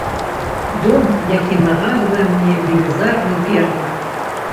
Дом, які нагадвае мне велізарны пернік.